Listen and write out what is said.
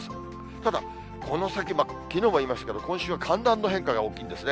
ただこの先、きのうも言いましたけど、今週は寒暖の変化が大きいんですね。